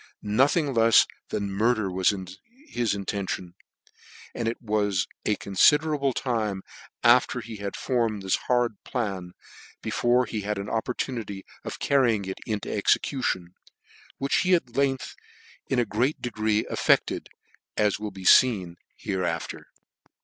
Nothing lefs than murder was his intention ; but it was a confiderable time after he had formed this horrid plan before he had an opportunity of carrying it into' execution , which he at length in a great degree effected, as will be feen hereafter.